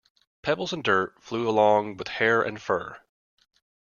Pebbles and dirt flew along with hair and fur.